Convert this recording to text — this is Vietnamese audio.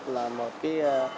là một cái